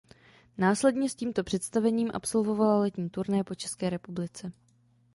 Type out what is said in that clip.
Následně s tímto představením absolvovala letní turné po České republice.